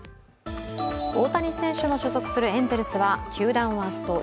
大谷選手の所属するエンゼルスは球団ワースト１３